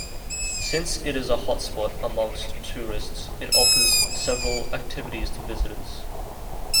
Since it is a "hotspot" amongst tourists it offers several activities to visitors.